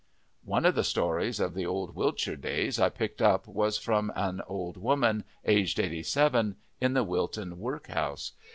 One of the stories of the old Wiltshire days I picked up was from an old woman, aged eighty seven, in the Wilton workhouse.